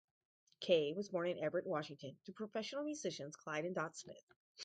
Kaye was born in Everett, Washington, to professional musicians Clyde and Dot Smith.